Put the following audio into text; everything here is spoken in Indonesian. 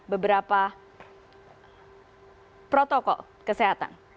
beberapa protokol kesehatan